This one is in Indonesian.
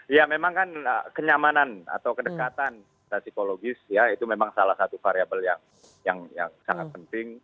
ya memang kan kenyamanan atau kedekatan psikologis ya itu memang salah satu variable yang sangat penting